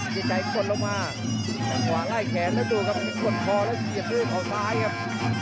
พีชชัยกดลงมาล่ายแขนแล้วดูครับกดคอแล้วเสียดรึดอ่อนซ้ายครับ